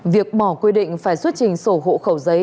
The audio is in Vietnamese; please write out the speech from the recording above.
việc bỏ quy định phải xuất trình sổ hộ khẩu giấy